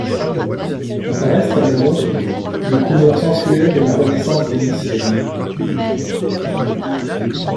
Apparaissent alors, les couleurs sensuelles de la Renaissance Vénitienne.